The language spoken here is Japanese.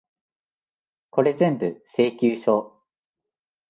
これぜんぶ、請求書。